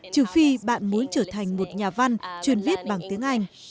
trừ khi bạn muốn trở thành một nhà văn truyền viết bằng tiếng anh